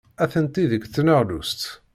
Atenti deg tneɣlust.